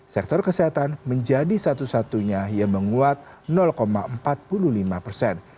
sektor kesehatan menjadi satu satunya yang menguat empat puluh lima persen